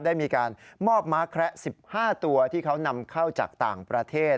ได้มีการมอบม้าแคระ๑๕ตัวที่เขานำเข้าจากต่างประเทศ